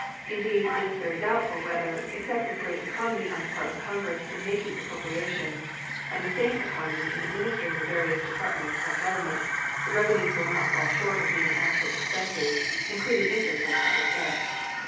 Indeed, it is very doubtful whether, except with great economy on the part of Congress in making appropriations and the same economy in administering the various Departments of Government, the revenues will not fall short of meeting actual expenses, including interest on the public debt.